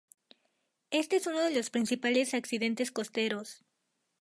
Éste es uno de los principales accidentes costeros.